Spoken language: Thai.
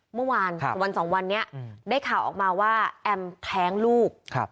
เมื่อวานวันสองวันนี้ได้ข่าวออกมาว่าแอมแท้งลูก